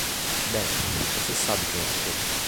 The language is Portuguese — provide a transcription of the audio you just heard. Bem, você sabe quem eu sou.